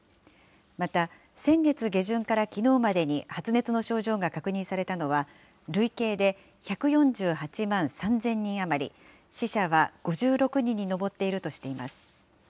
また、先月下旬からきのうまでに発熱の症状が確認されたのは累計で１４８万３０００人余り、死者は５６人に上っているとしています。